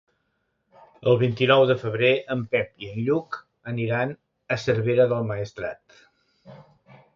El vint-i-nou de febrer en Pep i en Lluc aniran a Cervera del Maestrat.